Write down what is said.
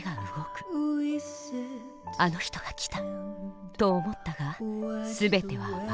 『あの人が来た』と思ったが全ては幻。